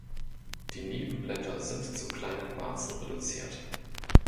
Die Nebenblätter sind zu kleinen Warzen reduziert.